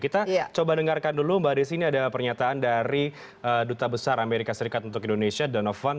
kita coba dengarkan dulu mbak desi ini ada pernyataan dari duta besar amerika serikat untuk indonesia donovan